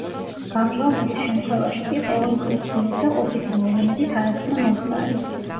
გამჟღავნების შემთხვევაში კი ყოველმხრივ ცდილობდა ყოფითი მოვლენებით აეხსნა მომხდარი.